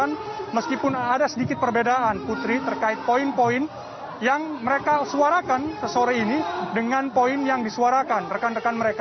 dan tentu saja seluruh tuntutan sudah mereka suarakan meskipun ada sedikit perbedaan putri terkait poin poin yang mereka suarakan ke sore ini dengan poin yang disuarakan rekan rekan mereka